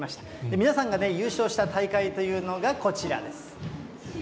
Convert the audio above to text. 皆さんが優勝した大会というのがこちらです。